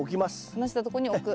離したとこに置く。